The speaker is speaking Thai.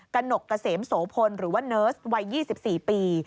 หนกเกษมโสพลหรือว่าเนิร์สวัย๒๔ปี